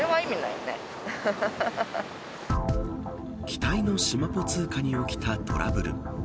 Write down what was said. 期待のしまぽ通貨に起きたトラブル。